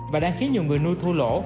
và đang khiến nhiều người nuôi thua lỗ